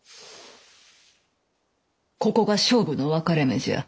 ここが勝負の分かれ目じゃ。